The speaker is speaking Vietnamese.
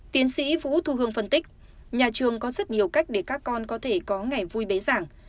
tiến sĩ vũ thu hương phân tích nhà trường có rất nhiều cách để các con có thể có ngày vui bế giảng